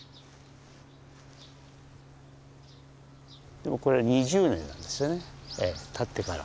でもこれ２０年なんですよね建ってから。